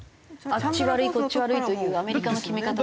あっち悪いこっち悪いというアメリカの決め方とは違う。